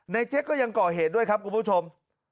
เจ๊กก็ยังก่อเหตุด้วยครับคุณผู้ชม